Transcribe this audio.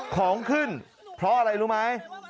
ของขึ้นเพราะอะไรรู้ไหม